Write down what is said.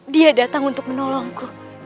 dia datang untuk menolongku